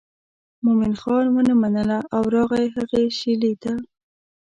مومن خان ونه منله او راغی هغې شېلې ته.